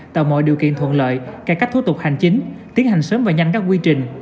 tạo mọi điều kiện thuận lợi cải cách thủ tục hành chính tiến hành sớm và nhanh các quy trình